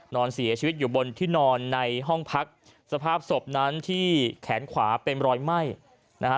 นอนเสียชีวิตอยู่บนที่นอนในห้องพักสภาพศพนั้นที่แขนขวาเป็นรอยไหม้นะฮะ